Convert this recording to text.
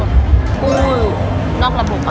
กู้นอกระบุเปล่า